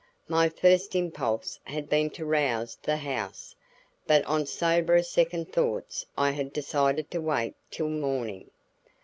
My first impulse had been to rouse the house, but on soberer second thoughts I had decided to wait till morning.